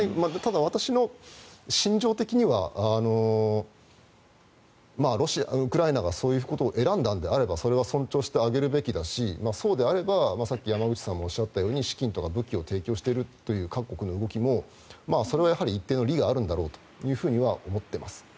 ただ、私の心情的にはウクライナがそういうことを選んだのであればそれは尊重してあげるべきだしそうであればさっき山口さんもおっしゃったように資金とか武器を提供しているという各国の動きもそれはやはり一定の理があるんだろうと思っています。